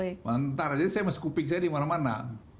jadi saya masih kuping saya dimana mana